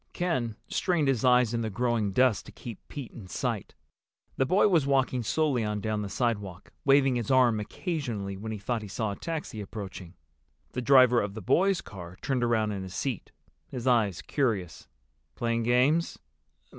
Ken strained his eyes in the growing dusk to keep Pete in sight. The boy was walking slowly on down the sidewalk, waving his arm occasionally when he thought he saw a taxi approaching. The driver of the boys' car turned around in his seat, his eyes curious. "Playing games?"